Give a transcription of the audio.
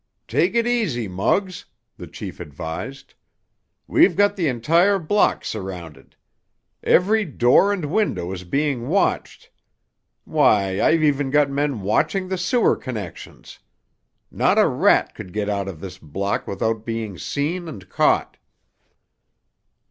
"Take it easy, Muggs," the chief advised. "We've got the entire block surrounded. Every door and window is being watched. Why, I've even got men watching the sewer connections. Not a rat could get out of this block without being seen and caught."